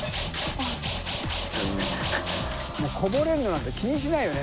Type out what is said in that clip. もうこぼれるのなんか気にしないよね。